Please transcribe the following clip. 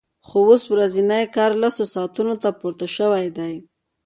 خو اوس ورځنی کار لسو ساعتونو ته پورته شوی دی